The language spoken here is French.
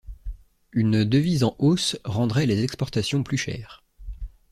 Une devise en hausse rendrait les exportations plus chères.